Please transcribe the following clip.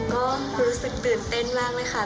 ก็รู้สึกตื่นเต้นมากเลยค่ะ